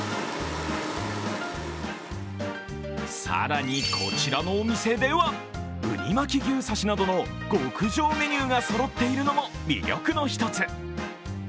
更に、こちらのお店では、雲丹巻き牛刺しなどの極上メニューがそろっているのも魅力の一つ。